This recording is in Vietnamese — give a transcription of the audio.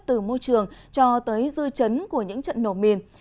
từ môi trường cho tới dư chấn của những trận nổ mìn